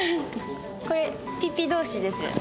これ「ピ」「ピ」同士ですよね。